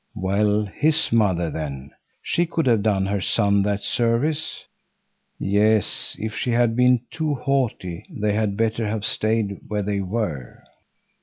—Well, his mother, then; she could have done her son that service. Yes, if she had been too haughty they had better have stayed where they were.